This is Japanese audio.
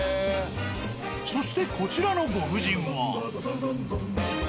そしてこちらのご婦人は。